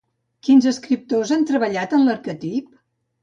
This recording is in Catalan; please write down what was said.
Quins escriptors han treballat en l'arquetip?